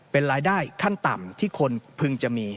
เป็นรายได้ขั้นต่ำที่คนพึงจะมี